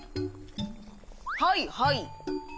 はいはい。